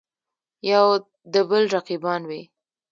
یودبل رقیبان وي.